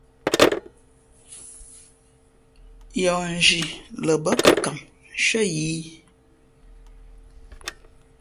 Yǒh nzhi lαbά kʉkam nshʉ́ά yǐ .